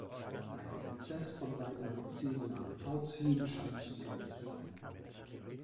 Ein Prozess von beinahe zehn Jahren Tauziehen scheint zum Ende zu kommen.